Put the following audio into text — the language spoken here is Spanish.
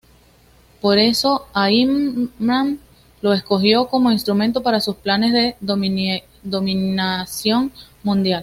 Por eso Ahriman lo escogió como instrumento para sus planes de dominación mundial.